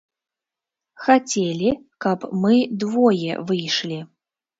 Хацелі, каб мы двое выйшлі.